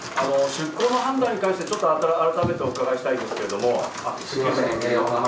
出航の判断に関して、ちょっと改めてお伺いしたいんですけど。